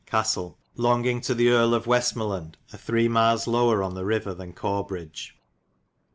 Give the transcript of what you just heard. Castelle longging to the Erie of Westmerland a 3. miles lower on the ryver then Corbridge.